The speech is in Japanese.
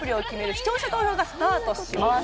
視聴者投票がスタートします